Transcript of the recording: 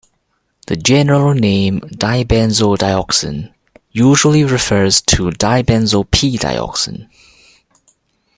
The general name dibenzodioxin usually refers to dibenzo-"p"-dioxin.